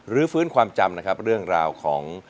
ฟื้นความจำนะครับเรื่องราวของ